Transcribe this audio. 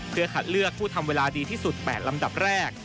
เพื่อคัดเลือกผู้ทำเวลาดีที่สุด๘ลำดับแรก